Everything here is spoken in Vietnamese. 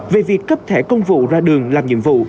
về việc cấp thẻ công vụ ra đường làm nhiệm vụ